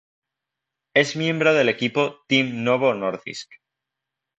Es miembro del equipo Team Novo Nordisk.